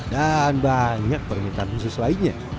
dan banyak permintaan khusus lainnya